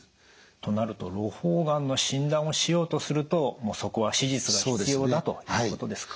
となるとろ胞がんの診断をしようとするとそこは手術が必要だということですか？